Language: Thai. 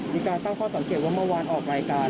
มีการตั้งข้อสังเกตว่าเมื่อวานออกรายการ